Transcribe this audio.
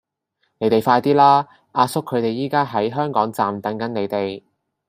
你哋快啲啦!阿叔佢哋而家喺香港站等緊你哋